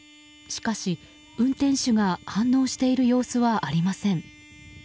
しかし、運転手が反応している様子はありません。